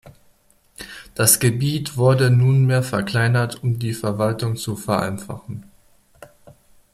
Das Gebiet wurde nunmehr verkleinert, um die Verwaltung zu vereinfachen.